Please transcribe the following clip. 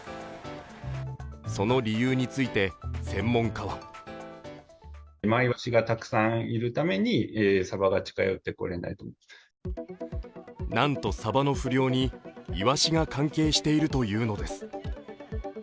その理由について専門家はなんと、サバの不漁にイワシが関係しているというのです。